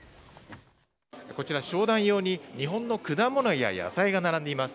こちら、商談用に日本の果物や野菜が並んでいます。